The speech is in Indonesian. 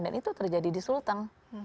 dan itu terjadi di sulteng